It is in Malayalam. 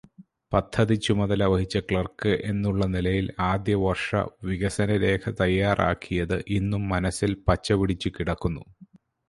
പദ്ധതിച്ചുമതല വഹിച്ച ക്ലർക്ക് എന്നുള്ള നിലയിൽ ആദ്യവർഷ വികസനരേഖ തയ്യാറാക്കിയത് ഇന്നും മനസ്സിൽ പച്ചപിടിച്ചു കിടക്കുന്നു.